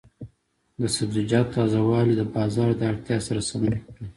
د سبزیجاتو تازه والي د بازار د اړتیا سره سمون خوري.